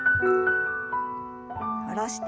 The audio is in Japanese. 下ろして。